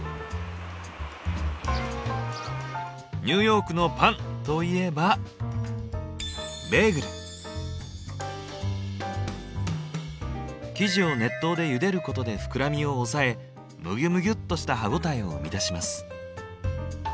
「ニューヨークのパン！」といえば生地を熱湯でゆでることで膨らみを抑えムギュムギュっとした歯応えを生み出します。